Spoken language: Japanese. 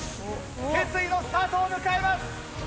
決意のスタートを迎えます。